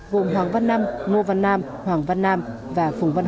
gồm hoàng văn nam nô văn nam hoàng văn nam và phùng văn nam